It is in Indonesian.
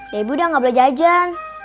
bebi udah gak belajajan